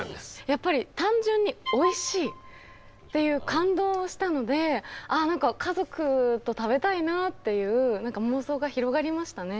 やっぱり単純においしいっていう感動したので何か家族と食べたいなっていう妄想が広がりましたね。